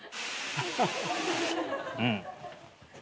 うん。